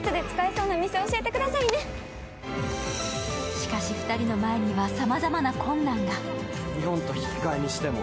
しかし２人の前にはさまざまな困難が。